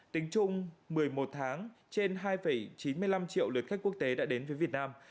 tính chung một mươi một tháng trên hai chín mươi năm triệu lượt khách quốc tế đã đến với việt nam